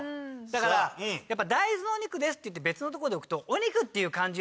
だからやっぱ「大豆のお肉です」っていって別の所に置くとお肉っていう感じ